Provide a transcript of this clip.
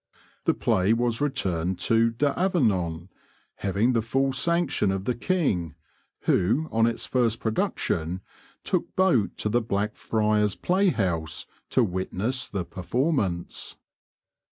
The play was returned to D'Avenant, having the full sanction of the king, who on its first production took boat to the Blackfriars playhouse to witness the performance.